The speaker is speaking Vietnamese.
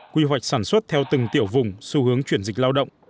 quy hoạch sản xuất theo từng tiểu vùng xu hướng chuyển dịch lao động